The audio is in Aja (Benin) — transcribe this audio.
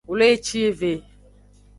Wlecive.